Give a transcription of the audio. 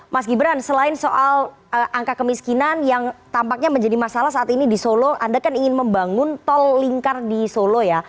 mas gibran selain soal angka kemiskinan yang tampaknya menjadi masalah saat ini di solo anda kan ingin membangun tol lingkar di solo ya